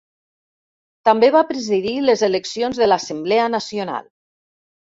També va presidir les eleccions de l'Assemblea Nacional.